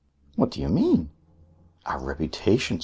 "What do you mean?" "Our reputations.